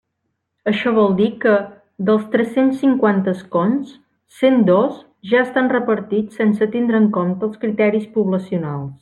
Això vol dir que, dels tres-cents cinquanta escons, cent dos ja estan repartits sense tindre en compte els criteris poblacionals.